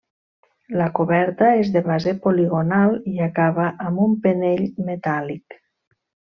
La coberta és de base poligonal i acaba amb un penell metàl·lic.